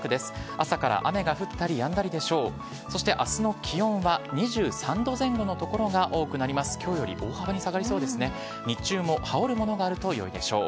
朝から雨が降ったりやんだりでしょう。